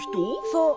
そう。